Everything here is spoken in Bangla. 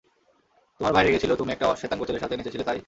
তোমার ভাই রেগে ছিল তুমি একটা শেতাঙ্গ ছেলের সাথে নেচেছিলে তাই?